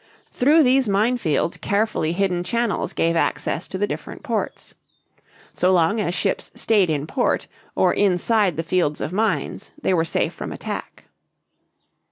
Through these mine fields carefully hidden channels gave access to the different ports. So long as ships stayed in port or inside the fields of mines they were safe from attack.